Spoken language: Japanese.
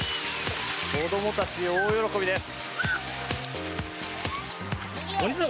子どもたちは大喜びです。